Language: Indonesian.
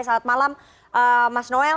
selamat malam mas noel